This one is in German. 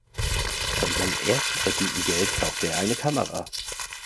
Von seinem ersten verdienten Geld kaufte er eine Kamera.